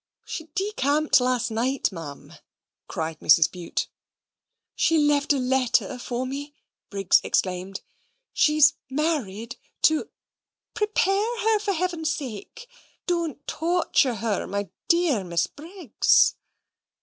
"She decamped last night, Ma'am," cried Mrs. Bute. "She left a letter for me," Briggs exclaimed. "She's married to " "Prepare her, for heaven's sake. Don't torture her, my dear Miss Briggs."